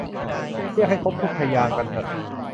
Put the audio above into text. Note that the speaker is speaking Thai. เรียกให้ครบทุกพยางค์กันเถอะ